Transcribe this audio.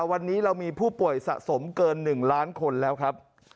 วันนี้เรามีผู้ป่วยสะสมเกิน๑ล้านคนแล้วครับ